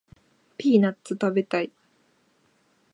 ピーナッツ食べたい